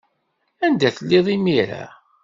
Anda telliḍ imir-a?